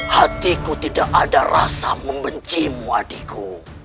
hatiku tidak ada rasa membenci mu adikku